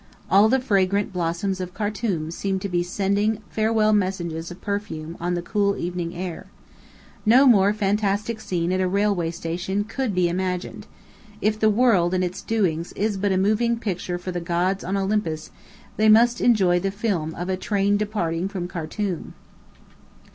All the fragrant blossoms of Khartum seemed to be sending farewell messages of perfume on the cool evening air. No more fantastic scene at a railway station could be imagined. If the world and its doings is but a moving picture for the gods on Olympus they must enjoy the film of "a train departing from Khartum."